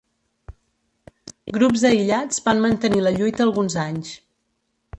Grups aïllats van mantenir la lluita alguns anys.